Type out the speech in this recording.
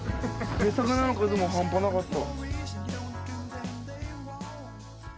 魚の数も半端なかった。